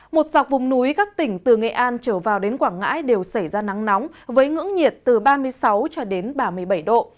một dọc vùng núi các tỉnh từ nghệ an trở vào đến quảng ngãi đều xảy ra nắng nóng với ngưỡng nhiệt từ ba mươi sáu cho đến ba mươi bảy độ